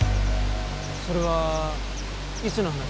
それはいつの話です？